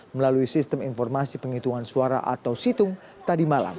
melalui sistem informasi penghitungan suara atau situng tadi malam